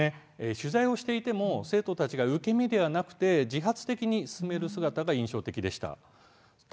取材をしていても生徒たちが受け身ではなく自発的に進める姿が印象的でした。